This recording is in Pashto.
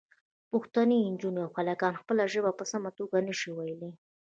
پښتنې نجونې او هلکان خپله ژبه په سمه توګه نه شي ویلی.